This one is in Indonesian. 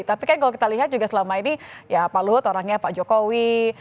tapi kan kalau kita lihat juga selama ini ya pak luhut orangnya pak jokowi